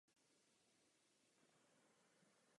Lister se věnuje hraní videoher.